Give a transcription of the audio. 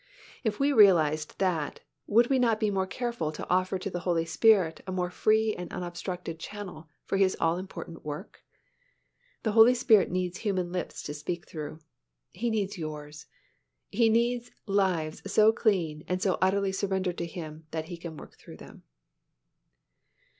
If we realized that, would we not be more careful to offer to the Holy Spirit a more free and unobstructed channel for His all important work? The Holy Spirit needs human lips to speak through. He needs yours, and He needs lives so clean and so utterly surrendered to Him that He can work through them.